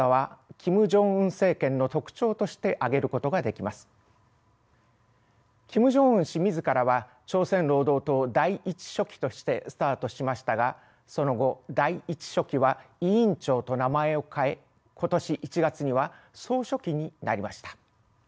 キム・ジョンウン氏自らは朝鮮労働党第１書記としてスタートしましたがその後第１書記は委員長と名前を変え今年１月には総書記になりました。